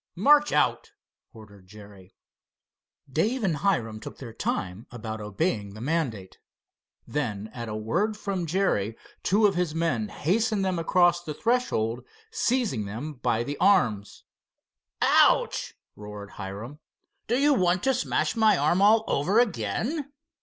"March out," ordered Jerry. Dave and Hiram took their time about obeying the mandate. Then at a word from Jerry two of his men hastened them across the threshold, seizing them by the arms. "Ouch!" roared Hiram. "Do you want to smash my arm all over again?"